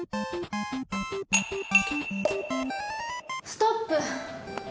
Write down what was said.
ストップ！